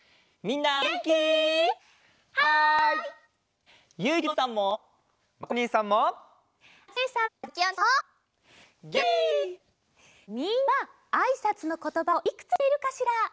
みんなはあいさつのことばをいくつしっているかしら？